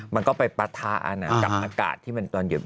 มันก็ไปปะทะกับอากาศที่มันตอนเย็น